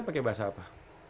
pakai bahasa apa